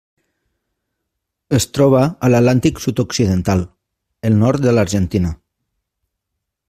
Es troba a l'Atlàntic sud-occidental: el nord de l'Argentina.